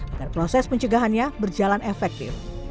agar proses pencegahannya berjalan efektif